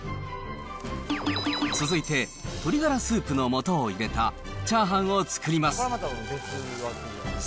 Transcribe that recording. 続いて、鶏ガラスープのもとを入れたチャーハンを作ります。